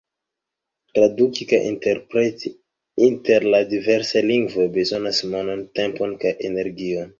Traduki kaj interpreti inter la diversaj lingvoj bezonas monon, tempon kaj energion.